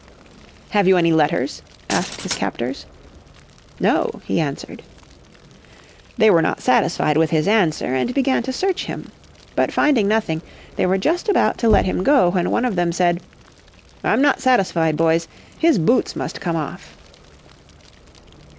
"Have you any letters?" asked his captors. "No," he answered. They were not satisfied with his answer, and began to search him. But finding nothing they were just about to let him go when one of them said, "I'm not satisfied, boys. His boots must come off."